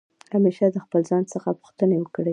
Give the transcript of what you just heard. همېشه د خپل ځان څخه پوښتني وکړئ.